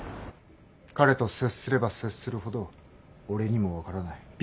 彼と接すれば接するほど俺にも分からない。